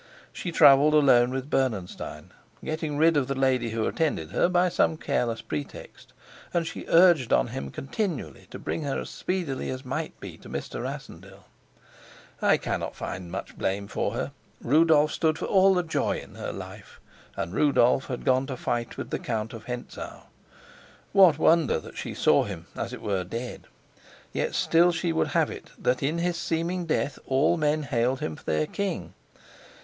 She traveled alone with Bernenstein, getting rid of the lady who attended her by some careless pretext, and she urged on him continually to bring her as speedily as might be to Mr. Rassendyll. I cannot find much blame for her. Rudolf stood for all the joy in her life, and Rudolf had gone to fight with the Count of Hentzau. What wonder that she saw him, as it were, dead? Yet still she would have it that, in his seeming death, all men hailed him for their king.